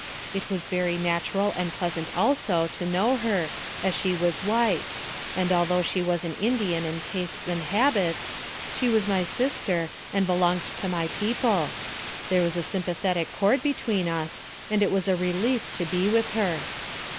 It was very natural and pleasant also to know her, as she was white, and although she was an Indian in tastes and habits, she was my sister, and belonged to my people ; there was a sympathetic chord between us, and it was a relief to be with her.